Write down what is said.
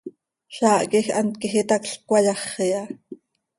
Zaah quij hant quij itacl cöcayaxi ha.